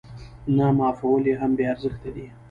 نه معافول يې هم بې ارزښته دي.